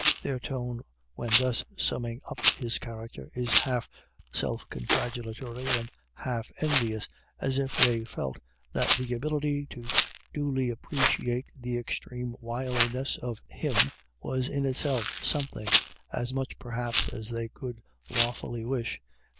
Their tone when thus summing up his character is half self congratulatory and half envious, as if they felt that the ability to duly appreciate the extreme wiliness of him was in itself something — as much, perhaps, as they could law fully wish — and